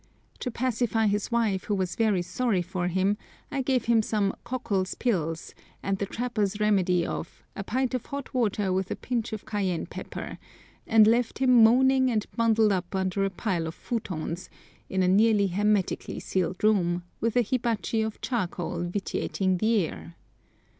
To pacify his wife, who was very sorry for him, I gave him some "Cockle's Pills" and the trapper's remedy of "a pint of hot water with a pinch of cayenne pepper," and left him moaning and bundled up under a pile of futons, in a nearly hermetically sealed room, with a hibachi of charcoal vitiating the air.